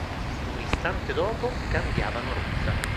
Un istante dopo, cambiavano rotta.